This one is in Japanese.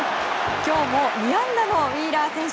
今日も２安打のウィーラー選手。